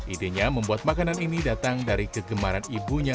idenya membuat makanan ini datang dari kegemaran ibunya